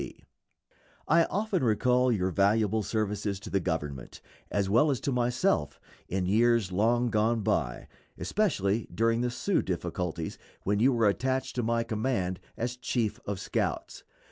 T. I often recall your valuable services to the Government, as well as to myself, in years long gone by, especially during the Sioux difficulties, when you were attached to my command as chief of scouts.